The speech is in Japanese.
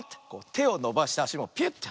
てをのばしてあしもピュッて。